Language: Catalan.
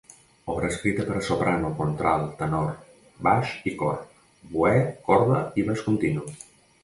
Obra escrita per a soprano, contralt, tenor, baix i cor; oboè, corda i baix continu.